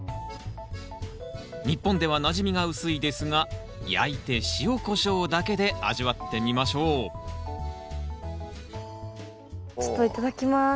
日本ではなじみが薄いですが焼いて塩こしょうだけで味わってみましょうちょっといただきます。